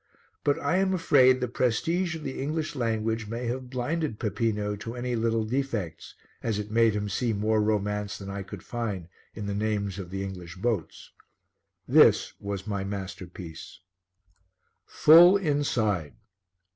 But I am afraid the prestige of the English language may have blinded Peppino to any little defects, as it made him see more romance than I could find in the names of the English boats. This was my "masterpiece": FULL INSIDE.